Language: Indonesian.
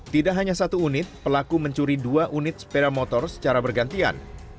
tidak hanya satu unit pelaku mencuri dua unit sepeda motor secara bergantian